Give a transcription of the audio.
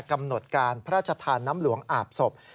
กำหนดการพระราชทานน้ำหลวงอาบศพ